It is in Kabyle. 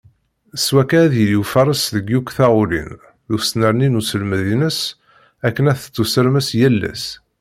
S wakka ad d-yili ufares deg yakk taɣulin, d usnerni n uselmed-ines akken ad tettusemres yal ass.